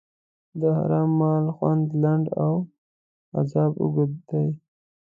د حرام مال خوند لنډ او عذاب اوږد دی.